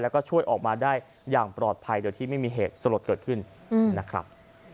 แล้วก็ช่วยออกมาได้อย่างปลอดภัยโดยที่ไม่มีเหตุสลดเกิดขึ้นนะครับ